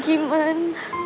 gue gak akan